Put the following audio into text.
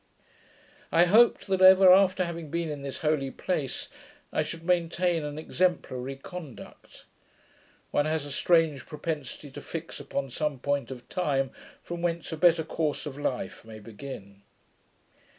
I hoped, that, ever after having been in this holy place, I should maintain an exemplary conduct. One has a strange propensity to fix upon some point of time from whence a better course of life may begin.